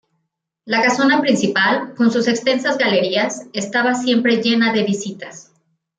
La casona principal, con sus extensas galerías, estaba siempre llena de visitas.